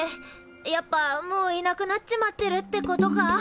やっぱもういなくなっちまってるってことか？